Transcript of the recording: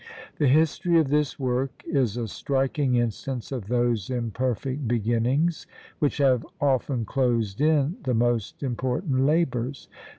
The history of this work is a striking instance of those imperfect beginnings, which have often closed in the most important labours.